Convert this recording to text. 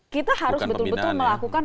kita harus betul betul melakukan